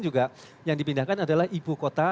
juga yang dipindahkan adalah ibu kota